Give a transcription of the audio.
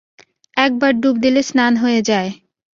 একবার ডুব দিলে, স্নান হয়ে যায়।